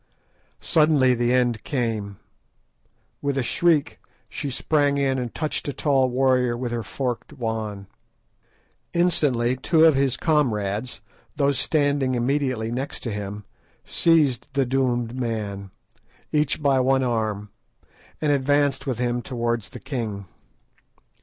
Suddenly the end came. With a shriek she sprang in and touched a tall warrior with her forked wand. Instantly two of his comrades, those standing immediately next to him, seized the doomed man, each by one arm, and advanced with him towards the king.